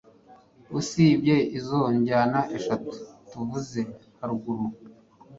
usibye izo njyana eshatu tuvuze haruguru